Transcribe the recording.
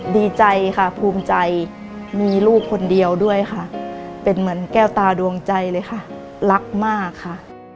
ดีใจค่ะภูมิใจมีลูกคนเดียวด้วยค่ะเป็นเหมือนแก้วตาดวงใจเลยค่ะรักมากค่ะ